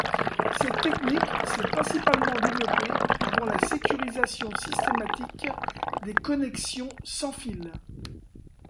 Cette technique s'est principalement développée avant la sécurisation systématique des connexions sans fil.